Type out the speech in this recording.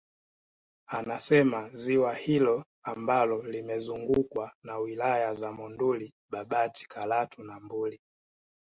Anasema ziwa hilo ambalo limezungukwa na wilaya za Monduli Babati Karatu na Mbuli